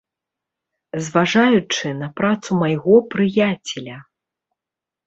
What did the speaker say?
Зважаючы на працу майго прыяцеля.